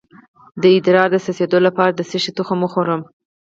د ادرار د څڅیدو لپاره د څه شي تخم وخورم؟